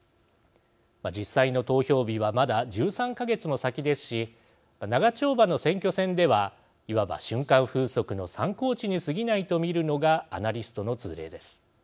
実際の投票日はまだ１３か月も先ですし長丁場の選挙戦ではいわば瞬間風速の参考値にすぎないと見るのがアナリストの通例です。